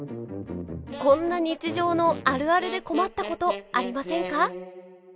こんな日常の「あるある」で困ったことありませんか。